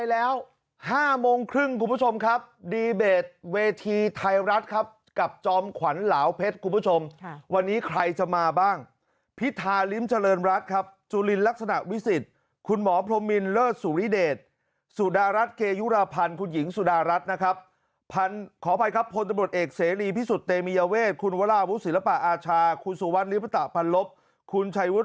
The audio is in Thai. และจัดกิจกรรมในวันนี้